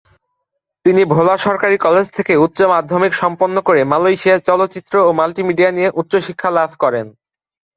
তিনি ভোলা সরকারি কলেজ থেকে উচ্চ মাধ্যমিক সম্পন্ন করে মালয়েশিয়ায় চলচ্চিত্র ও মাল্টিমিডিয়া নিয়ে উচ্চ শিক্ষা লাভ করেন।